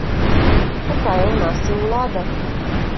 Такая ў нас і ўлада.